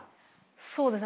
そうですね